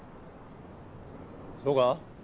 そうか？